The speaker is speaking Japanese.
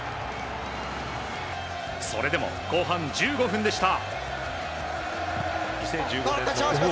それでも後半１５分でした。